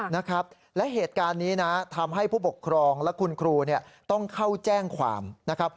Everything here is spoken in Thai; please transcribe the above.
นะครับและเหตุการณ์นี้นะทำให้ผู้ปกครองและคุณครูเนี่ยต้องเข้าแจ้งความนะครับ